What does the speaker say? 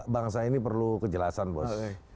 bangsa ini perlu kejelasan bos